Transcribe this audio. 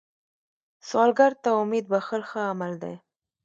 سوالګر ته امید بښل ښه عمل دی